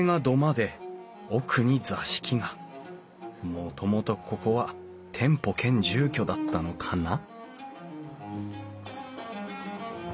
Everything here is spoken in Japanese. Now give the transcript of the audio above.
もともとここは店舗兼住居だったのかな？